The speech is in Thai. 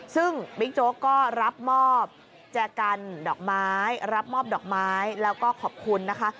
ซึ่งบิ๊กโจ๊กก็รับมอบแจกันดอกไม้รับมอบดอกไม้แล้วก็ขอบคุณนะคะ